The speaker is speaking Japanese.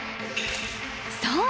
そう！